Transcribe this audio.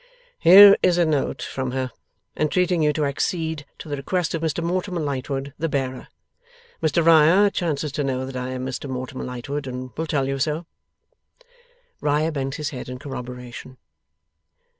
'Here is a note from her, entreating you to accede to the request of Mr Mortimer Lightwood, the bearer. Mr Riah chances to know that I am Mr Mortimer Lightwood, and will tell you so.' Riah bent his head in corroboration.